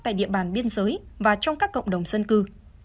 tại địa bàn biên giới và trong các cộng đồng dân cư